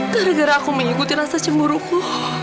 karena aku mengikuti rasa cemburuku